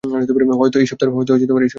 হয়তো এই সপ্তাহের ছুটিতে।